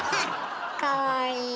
かわいい。